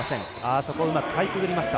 そこをうまくかいくぐりました。